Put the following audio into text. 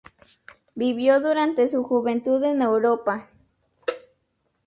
Vivió durante su juventud en Europa.